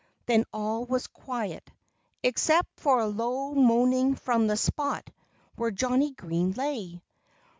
Then all was quiet, except for a low moaning from the spot where Johnnie Green lay.